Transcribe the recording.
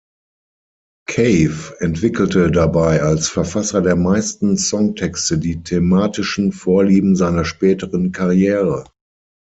Cave entwickelte dabei als Verfasser der meisten Songtexte die thematischen Vorlieben seiner späteren Karriere.